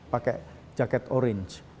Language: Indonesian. pakai jaket orange